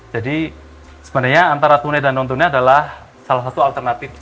jadi sebenarnya antara tunai dan non tunai adalah salah satu alternatif